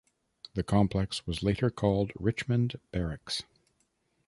The complex was later called Richmond Barracks.